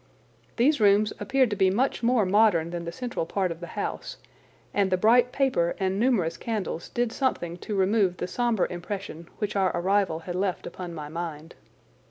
These rooms appeared to be much more modern than the central part of the house, and the bright paper and numerous candles did something to remove the sombre impression which our arrival had left upon my mind.